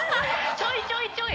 ちょいちょい！